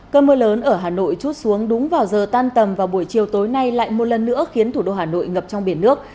cơn mưa lớn ở hà nội chút xuống đúng vào giờ tan tầm vào buổi chiều tối nay lại một lần nữa khiến thủ đô hà nội ngập trong biển nước